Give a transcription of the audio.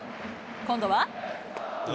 今度は。